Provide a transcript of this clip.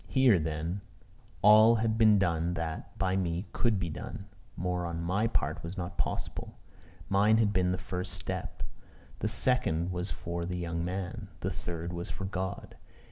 Here, then, all had been done that, by me, could be done: more on my part was not possible. Mine had been the first step: the second was for the young man: the third was for God.